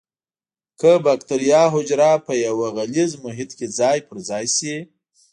که بکټریا حجره په یو غلیظ محیط کې ځای په ځای شي.